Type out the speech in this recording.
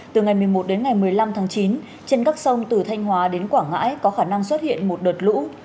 từ ngày một mươi một đến ngày một mươi năm tháng chín trên các sông từ thanh hóa đến quảng ngãi có khả năng xuất hiện một đợt lũ